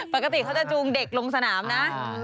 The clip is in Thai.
ปกติเขาจะจูงเด็กลงสนามนะ